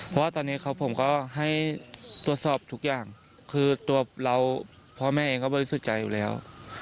เพราะว่าตอนนี้ผมก็ให้ตรวจสอบทุกอย่างคือตัวเราพ่อแม่เองก็บริสุทธิ์ใจอยู่แล้ว